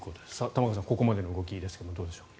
玉川さん、ここまでの動きですがどうでしょう。